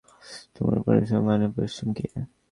তোমার পারমিশন মানে, পারমিশন কী?